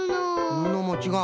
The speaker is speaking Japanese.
ぬのもちがう？